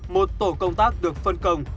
một tổ công tác được phân công